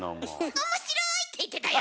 「おもしろい！」。って言ってたよ。